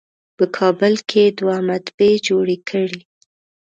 په کابل کې یې دوه مطبعې جوړې کړې.